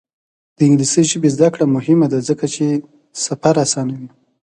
د انګلیسي ژبې زده کړه مهمه ده ځکه چې سفر اسانوي.